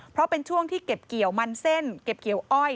เพราะเป็นช่วงที่เก็บเกี่ยวมันเส้นเก็บเกี่ยวอ้อย